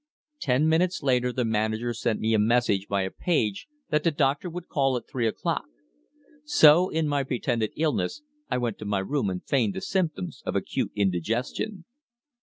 Ten minutes later the manager sent me a message by a page that the doctor would call at three o'clock. So, in my pretended illness, I went to my room and feigned the symptoms of acute indigestion.